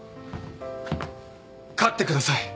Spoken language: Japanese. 勝ってください。